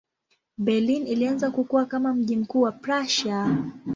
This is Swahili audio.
Berlin ilianza kukua kama mji mkuu wa Prussia.